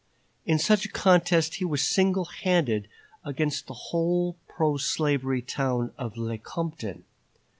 In such a contest he was single handed against the whole pro slavery town of Lecompton.